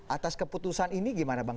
atas keputusan ini gimana bang